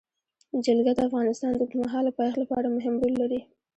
جلګه د افغانستان د اوږدمهاله پایښت لپاره مهم رول لري.